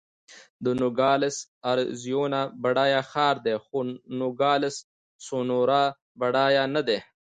د نوګالس اریزونا بډایه ښار دی، خو نوګالس سونورا بډایه نه دی.